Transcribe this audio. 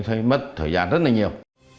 thấy mất thời gian rất là nhiều